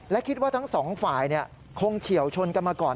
และคิดว่าทั้งสองฝ่ายคงเฉียวชนกันมาก่อน